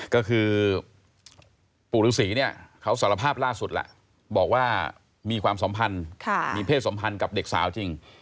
ก็คือปู่ฤษีเนี่ยเขาสารภาพล่าสุดแหละบอกว่ามีความสัมพันธ์มีเพศสมพันธ์กับเด็กสาวจริง